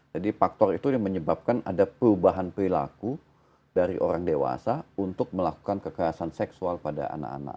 jadi faktor itu menyebabkan ada perubahan perilaku dari orang dewasa untuk melakukan kekerasan seksual pada anak anak